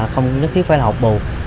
không nhất thiết phải là học bù